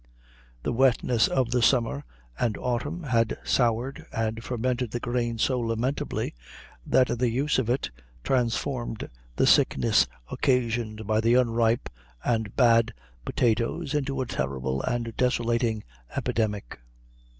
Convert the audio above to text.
The wetness of the summer and autumn had soured and fermented the grain so lamentably, that the use of it transformed the sickness occasioned by the unripe and bad potatoes into a terrible and desolating epidemic.